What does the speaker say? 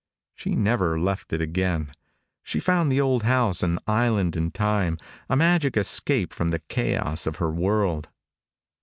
She never left it again. She found the old house an island in time, a magic escape from the chaos of her world.